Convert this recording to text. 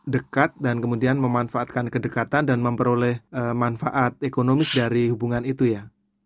dekat dan kemudian memanfaatkan kedekatan dan memperoleh manfaat ekonomis dari hubungan itu ya